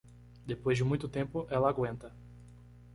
Depois de muito tempo, ela aguenta.